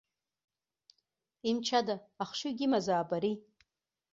Имч ада, ахшыҩгьы имазаап ари.